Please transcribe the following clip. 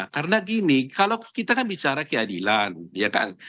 karena gini kalau kita kan bicara keadilan